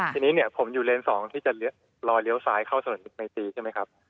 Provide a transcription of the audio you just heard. ทีนี้ผมอยู่เลนสองที่จะรอเลี้ยวซ้ายเข้าสนุนมิตรไมตรีใช่ไหมครับ